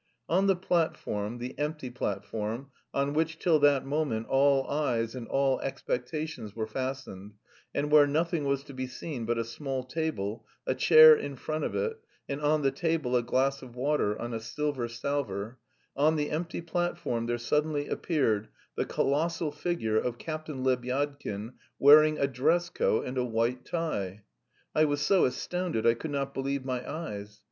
On the platform, the empty platform, on which till that moment all eyes and all expectations were fastened, and where nothing was to be seen but a small table, a chair in front of it, and on the table a glass of water on a silver salver on the empty platform there suddenly appeared the colossal figure of Captain Lebyadkin wearing a dress coat and a white tie. I was so astounded I could not believe my eyes.